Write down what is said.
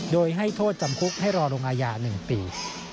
โดยให้โทษจำคุกให้รอลงอาญา๑ปี